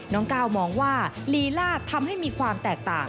ก้าวมองว่าลีลาดทำให้มีความแตกต่าง